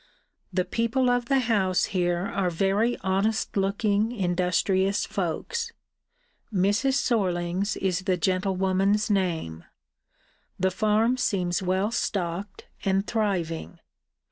The people of the house here are very honest looking industrious folks: Mrs. Sorlings is the gentlewoman's name. The farm seems well stocked, and thriving.